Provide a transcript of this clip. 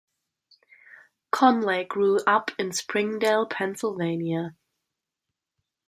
Conley grew up in Springdale, Pennsylvania.